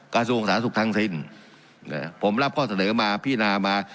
กาสูงศาสุทังสินนะฮะผมรับข้อเสนอมาพี่นามา